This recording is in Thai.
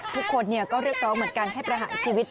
ทุกคนก็เรียกร้องเหมือนกันให้ประหารชีวิต